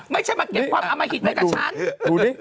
ไม่ใช่มาเก็บความอัมภัยถึงไปกับฉัน